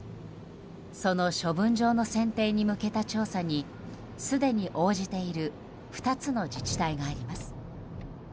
その処分場の選定に向けた調査にすでに応じている２つの自治体があります。